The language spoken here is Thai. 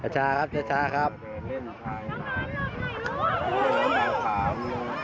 ชาชาครับครับ